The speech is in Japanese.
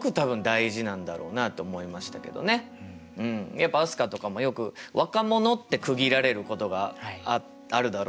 やっぱ飛鳥とかもよく若者って区切られることがあるだろうと思うんです。